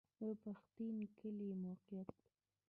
د پښتین کلی موقعیت